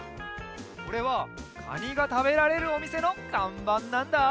これはカニがたべられるおみせのかんばんなんだ！